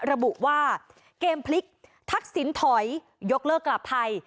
ระบุว่าเกมพลิกทักษิณถอยยกเลิกกลับไทย